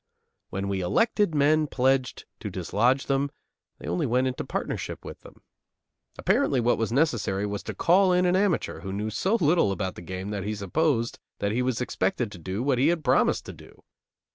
When we elected men pledged to dislodge them, they only went into partnership with them. Apparently what was necessary was to call in an amateur who knew so little about the game that he supposed that he was expected to do what he had promised to do.